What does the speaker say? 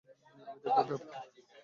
আমি দেখব ব্যাপারটা?